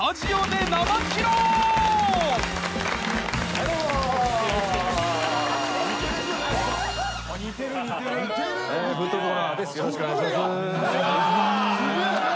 よろしくお願いします。